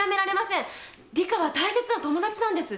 リカは大切な友達なんです。